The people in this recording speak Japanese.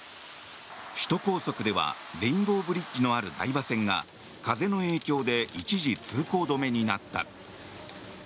首都高速ではレインボーブリッジのある台場線が風の影響で一時、通行止めになった。